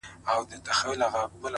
• زړه مي له رباب سره ياري کوي،